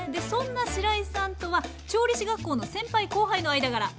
そんなしらいさんとは調理師学校の先輩・後輩の間柄。